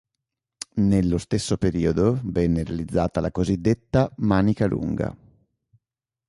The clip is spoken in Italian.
Nelle stesso periodo venne realizzata la cosiddetta Manica Lunga.